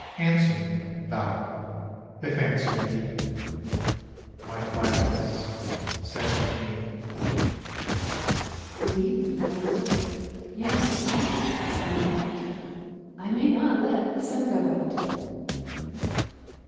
Answer me, thou, if answer be!' My Gladness said to me: 'Weep if thou wilt; yea, weep, and doubt. I may not let the Sun go out.'